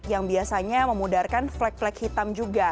yang biasanya memudarkan flek flek hitam juga